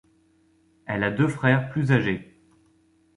Elle a deux frères plus âgés.